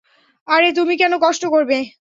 আরে তুমি কেন কষ্ট করবে?